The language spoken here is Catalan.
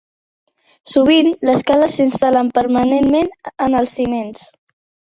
Sovint, les cases s'instal·len permanentment en els ciments.